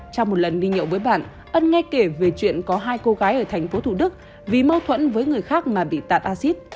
trong một lần đi nhậu với bạn ân nghe kể về chuyện có hai cô gái ở thành phố thủ đức vì mâu thuẫn với người khác mà bị tạt acid